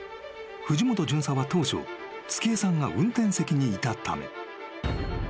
藤本巡査は当初月恵さんが運転席にいたため］